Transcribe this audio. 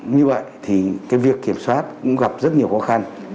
như vậy thì cái việc kiểm soát cũng gặp rất nhiều khó khăn